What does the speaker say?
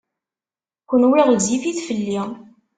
Kenwi ɣezzifit fell-i.